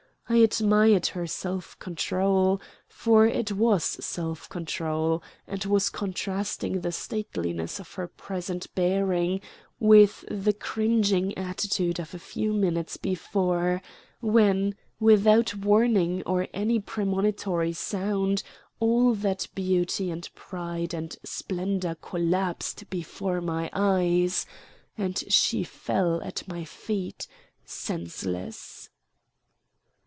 I admired her self control, for it was self control, and was contrasting the stateliness of her present bearing with the cringing attitude of a few minutes before when, without warning or any premonitory sound, all that beauty and pride and splendor collapsed before my eyes, and she fell at my feet, senseless.